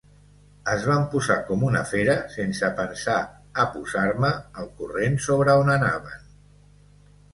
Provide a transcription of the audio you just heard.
Es van posar com una fera, sense pensar a posar-me al corrent sobre on anaven.